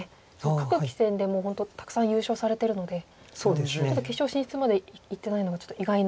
各棋戦でもう本当たくさん優勝されてるので決勝進出までいってないのがちょっと意外な。